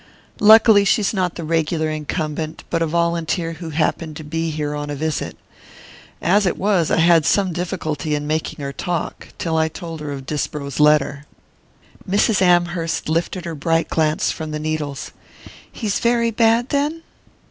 "Luckily she's not the regular incumbent, but a volunteer who happened to be here on a visit. As it was, I had some difficulty in making her talk till I told her of Disbrow's letter." Mrs. Amherst lifted her bright glance from the needles. "He's very bad, then?"